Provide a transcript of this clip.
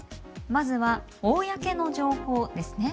まずは公の情報ですね。